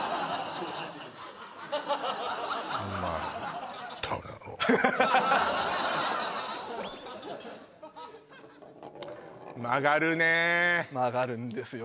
お前曲がるね曲がるんですよ